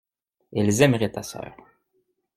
Elles aimeraient ta sœur.